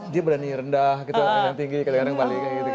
dia berani rendah gitu yang tinggi kadang kadang balik